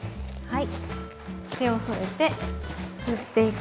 はい。